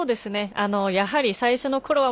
やはり最初のころは